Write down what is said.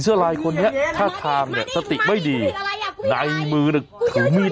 เสื้อลายคนเนี้ยถ้าทามเนี้ยสติไม่ดีในมือน่ะถือมีด